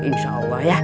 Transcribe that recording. insya allah ya